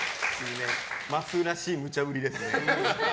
まっすーらしいむちゃ振りですね。